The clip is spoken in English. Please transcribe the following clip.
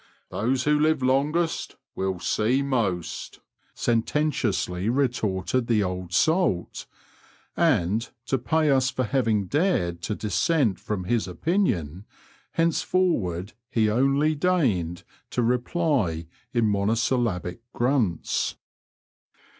"Those who live longest will see most," sententiously retorted the old salt, and, to pay us for having dared to dissent from his opinion, henceforward he only deigned to reply in monosyllabic grunts.